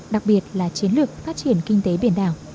đặc biệt là chiến lược phát triển kinh tế biển đảo